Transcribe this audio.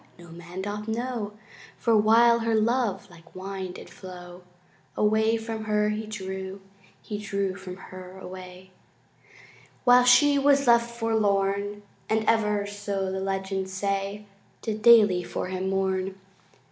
(no man doth know) For while her love like wine did flow Away from her he drew He drew from her away, While she was left forlorn And ever (so the legends say) Did daily for him mourn.